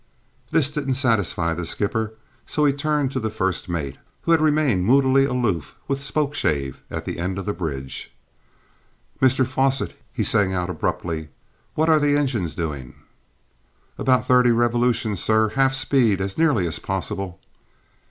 This didn't satisfy the skipper, so he turned to the first mate, who had remained moodily aloof with Spokeshave at the end of the bridge. "Mr Fosset," he sang out abruptly, "what are the engines doing?" "About thirty revolutions, sir; half speed, as nearly as possible."